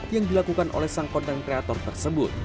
yang dilakukan oleh sang konten kreator tersebut